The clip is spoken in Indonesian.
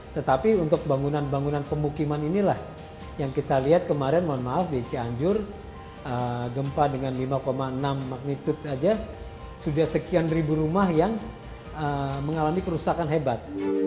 tetapi untuk bangunan bangunan pemukiman inilah yang kita lihat kemarin mohon maaf di cianjur gempa dengan lima enam magnitude saja sudah sekian ribu rumah yang mengalami kerusakan hebat